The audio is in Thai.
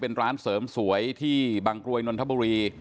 เป็นร้านเสริมสวยที่บางกรวยนนทบุรี